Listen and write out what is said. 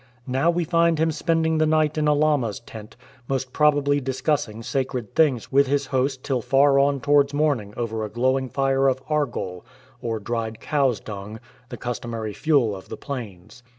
Now we find him spending the night in a lama''s tent, most probably discussing sacred things with his host till far on towards morning over a glowing fire of argol^ or dried cow's dung, the customary fuel of the plains.